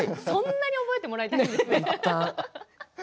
そんなに覚えてもらいたい？